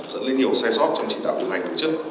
dẫn đến nhiều sai sót trong trị đạo dựng hành tổ chức